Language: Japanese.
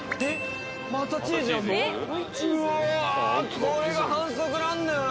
これが反則なんだよな。